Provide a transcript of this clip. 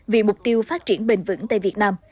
vì mục tiêu phát triển bền vững tại việt nam